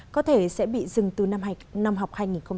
có thể sẽ bị dừng từ năm học hai nghìn hai mươi hai nghìn hai mươi một